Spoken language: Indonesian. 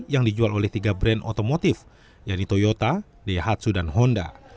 yang dijual oleh tiga brand otomotif yaitu toyota daihatsu dan honda